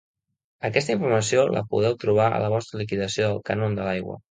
Aquesta informació la podeu trobar a la vostra liquidació del cànon de l'aigua.